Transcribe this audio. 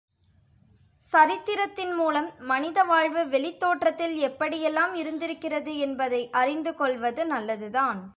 சரித்திரத்தின் மூலம் மனித வாழ்வு வெளித் தோற்றத்தில் எப்படி யெல்லாம் இருந்திருக்கிறது என்பதை அறிந்துகொள்வது நல்லதுதான்.